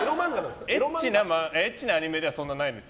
エッチなアニメではそんなにないです。